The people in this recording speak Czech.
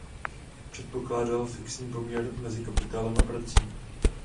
Předpokládal fixní poměr mezi kapitálem a prací.